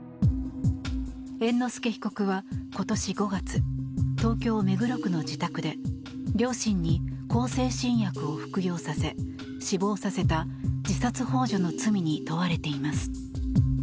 猿之助被告は今年５月東京・目黒区の自宅で両親に向精神薬を服用させ死亡させた、自殺ほう助の罪に問われています。